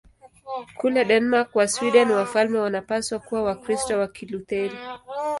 Kule Denmark na Sweden wafalme wanapaswa kuwa Wakristo wa Kilutheri.